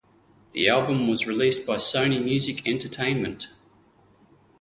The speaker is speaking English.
The album was released by Sony Music Entertainment.